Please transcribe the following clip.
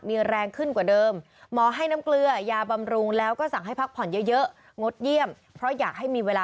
ตรงนี้แล้วก็โล่งใจ